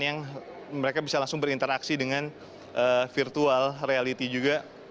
yang mereka bisa langsung berinteraksi dengan virtual reality juga